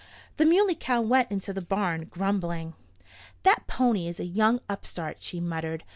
The Muley Cow went into the barn grumbling. "That pony is a young upstart," she muttered.